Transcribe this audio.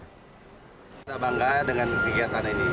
kita bangga dengan kegiatan ini